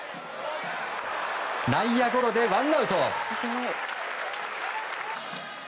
内野ゴロでワンアウト。